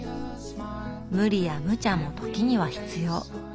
無理や無茶も時には必要。